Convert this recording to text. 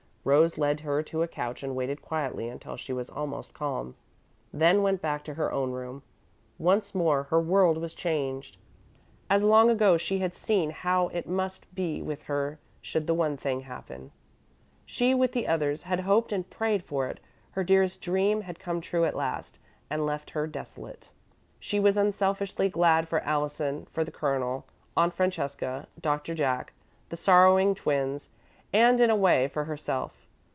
Rose led her to a couch and waited quietly until she was almost calm, then went back to her own room. Once more her world was changed, as long ago she had seen how it must be with her should the one thing happen. She, with the others, had hoped and prayed for it; her dearest dream had come true at last, and left her desolate. She was unselfishly glad for Allison, for the Colonel, Aunt Francesca, Doctor Jack, the sorrowing twins, and, in a way, for herself.